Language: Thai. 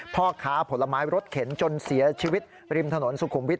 พ่อค้าผลไม้รถเข็นจนเสียชีวิตริมถนนสุขุมวิทย